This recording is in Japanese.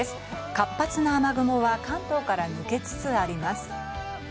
活発な雨雲は関東から抜けつつあります。